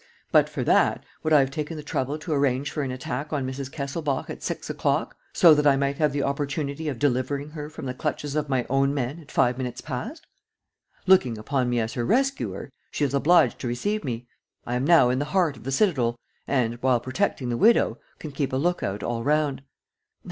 But for that, would I have taken the trouble to arrange for an attack on Mrs. Kesselbach at six o'clock, so that I might have the opportunity of delivering her from the clutches of my own men at five minutes past? Looking upon me as her rescuer, she is obliged to receive me. I am now in the heart of the citadel and, while protecting the widow, can keep a lookout all round.